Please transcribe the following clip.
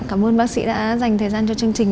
cảm ơn bác sĩ đã dành thời gian cho chương trình